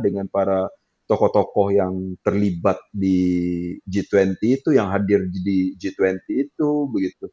dengan para tokoh tokoh yang terlibat di g dua puluh itu yang hadir di g dua puluh itu begitu